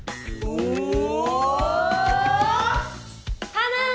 花！